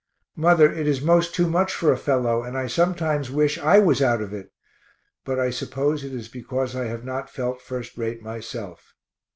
Mother, it is most too much for a fellow, and I sometimes wish I was out of it but I suppose it is because I have not felt first rate myself.